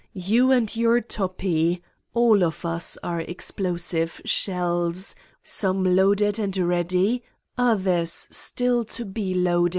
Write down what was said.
You and your Toppi all of us are explosive shells, some loaded and ready, others still to be loaded.